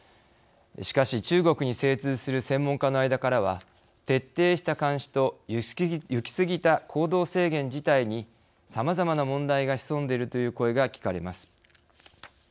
しかし中国に精通する専門家の間からは徹底した監視と行き過ぎた行動制限自体にさまざまな問題が潜んでいるという声が聞かれます。